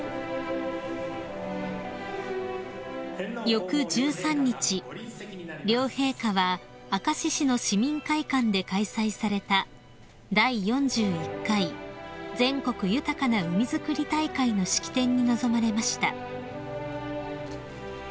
［翌１３日両陛下は明石市の市民会館で開催された第４１回全国豊かな海づくり大会の式典に臨まれました］